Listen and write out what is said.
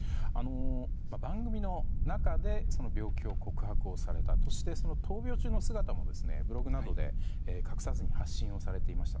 番組の中で病気の告白をされたそして、闘病中の姿もブログなどで隠さずに発信をされていました。